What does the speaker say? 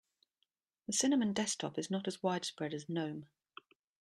The cinnamon desktop is not as widespread as gnome.